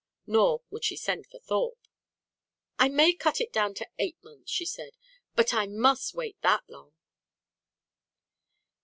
Nor would she send for Thorpe. "I may cut it down to eight months," she said. "But I must wait that long."